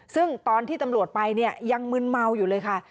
ซึ่งตอนที่ตำรวจไปเนี่ยยังมึนเมาอยู่เลยค่ะ